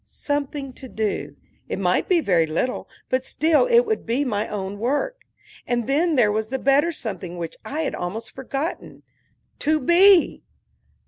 Something to do; it might be very little, but still it would be my own work. And then there was the better something which I had almost forgotten to be!